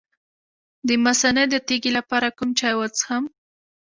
د مثانې د تیږې لپاره کوم چای وڅښم؟